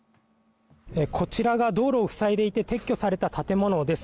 こちらが道路を塞いでいて撤去された建物です。